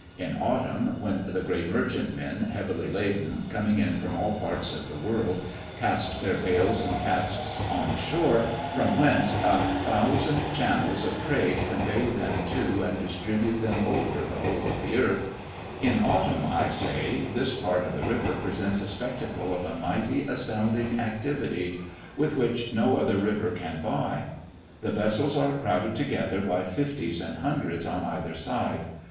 In autumn, when the great merchantmen, heavily laden, coming in from all parts of the world, cast their bales and casks on the shore, from whence a thousand channels of trade convey them to and distribute them over the whole of the earth in autumn, I say, this part of the river presents a spectacle of a mighty, astounding activity, with which no other river can vie. The vessels are crowded together by fifties and hundreds on either side.